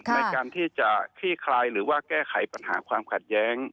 ในการที่จะขี้คลายหรือว่าแก้ไขปัญหาความขัดแย้ง